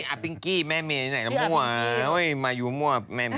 นี่อัปพิงกี้แม่เมไหนละมั่วมาอยู่มั่วแม่เม